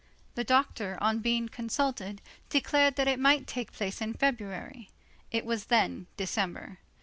The doctor, on being consulted, declared that it might take place in February. It was then December.